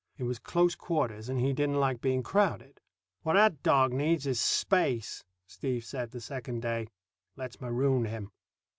It was close quarters, and he didn't like being crowded. "What that dog needs is space," Steve said the second day. "Let's maroon him."